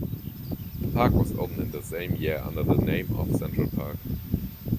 The park was opened in the same year under the name of Central Park.